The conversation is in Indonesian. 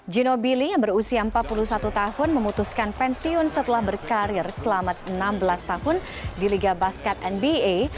gino billy yang berusia empat puluh satu tahun memutuskan pensiun setelah berkarir selama enam belas tahun di liga basket nba